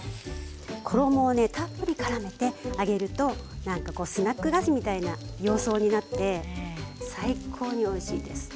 衣をたっぷりからめて揚げるとスナック菓子みたいな装いになって最高においしいです。